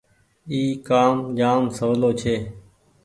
اي ڪآم جآم سولو ڇي۔